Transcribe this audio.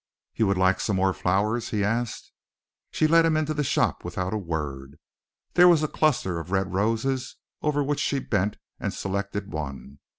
"You would like some more flowers?" he asked. She led him into the shop without a word. There was a cluster of red roses over which she bent and selected one.